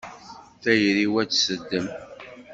Tayri-w ad tt-teddem.